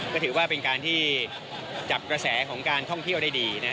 ก็ถือว่าเป็นการที่จับกระแสของการท่องเที่ยวได้ดี